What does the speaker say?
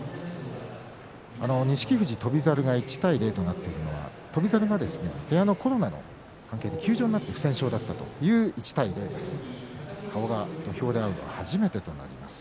錦富士、翔猿が１対０となっているのは翔猿が部屋のコロナの関係で休場になって不戦勝だったというものです。